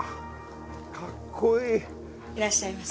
いらっしゃいませ。